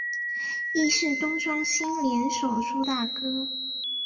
亦是庄冬昕联手主打歌。